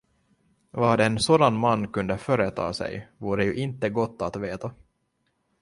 Vad en sådan man kunde företa sig vore ju inte gott att veta.